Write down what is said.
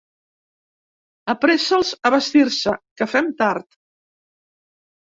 Apressa'ls a vestir-se, que fem tard.